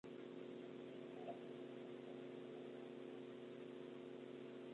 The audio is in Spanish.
Su caparazón es erizado con largos y afilados picos.